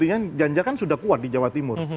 jangan jangan sudah kuat di jawa timur